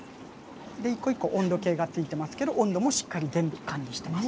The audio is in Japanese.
で一個一個温度計がついてますけど温度もしっかり全部管理してます。